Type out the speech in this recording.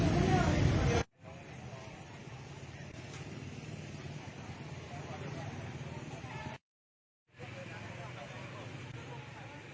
อันดับอันดับอันดับอันดับอันดับ